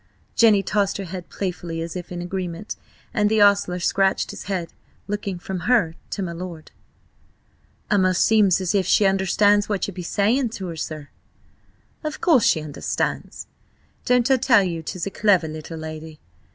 Jenny tossed her head playfully, as if in agreement, and the ostler scratched his head, looking from her to my lord: "A'most seems as if she understands what you be a saying to her, sir!" "Of course she understands! Don't I tell you 'tis a clever little lady?